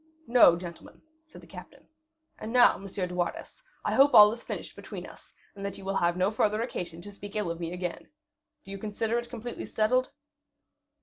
"No, gentlemen," said the captain. "And now, M. de Wardes, I hope all is finished between us, and that you will have no further occasion to speak ill of me again. Do you consider it completely settled?"